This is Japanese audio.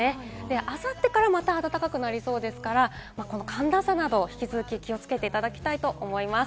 明後日からまた暖かくなりそうですから、この寒暖差など引き続き、気をつけていただきたいと思います。